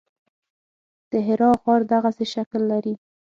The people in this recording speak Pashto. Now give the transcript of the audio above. د حرا غر دغسې شکل لري.